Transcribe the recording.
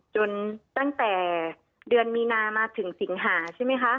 ตั้งแต่เดือนมีนามาถึงสิงหาใช่ไหมคะ